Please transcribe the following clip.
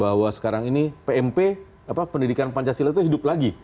bahwa sekarang ini pmp pendidikan pancasila itu hidup lagi